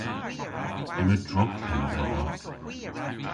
Yma drog penn dhedha.